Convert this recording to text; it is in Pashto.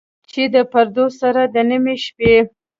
چې د پردو سره، د نیمې شپې،